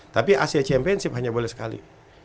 tapi asia championship hanya boleh sekali